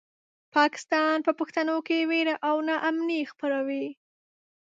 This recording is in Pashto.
پاکستان په پښتنو کې وېره او ناامني خپروي.